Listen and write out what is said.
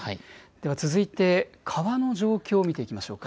では続いて、川の状況を見ていきましょうか。